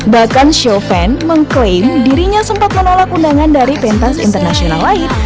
bahkan shoven mengklaim dirinya sempat menolak undangan dari pentas internasional lain